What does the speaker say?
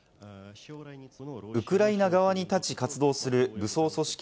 ウクライナ側に立ち活動する武装組織